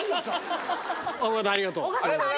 尾形ありがとう。